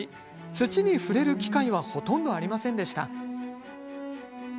土に触れる機会はほとんどありませんでした。